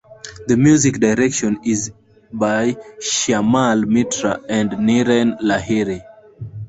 The music direction is by Shyamal Mitra and Niren Lahiri.